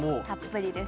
たっぷり！